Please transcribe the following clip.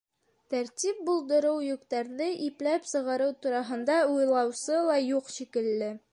Тәртип булдырыу, йөктәрҙе ипләп сығарыу тураһында уйлаусы ла юҡ шикелле.